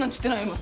今。